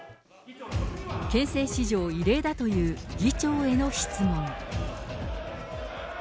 憲政史上異例だという議長への質問。